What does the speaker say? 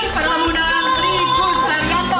pertemuan rikus haryanto